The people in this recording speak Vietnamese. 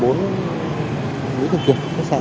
mỹ thực kiệm khách sạn